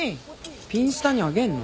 ピンスタにあげんの。